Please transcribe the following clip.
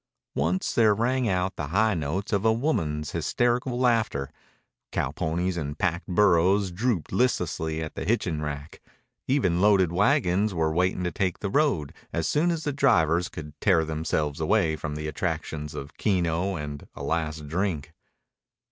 Once there rang out the high notes of a woman's hysterical laughter. Cowponies and packed burros drooped listlessly at the hitching rack. Even loaded wagons were waiting to take the road as soon as the drivers could tear themselves away from the attractions of keno and a last drink.